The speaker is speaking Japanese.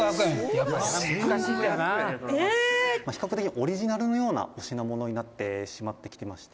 岩尾さん：「比較的オリジナルのようなお品物になってしまってきてまして」